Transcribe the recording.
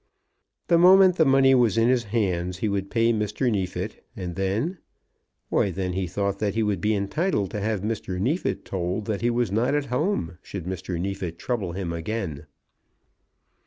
The moment the money was in his hands he would pay Mr. Neefit; and then ; why then he thought that he would be entitled to have Mr. Neefit told that he was not at home should Mr. Neefit trouble him again.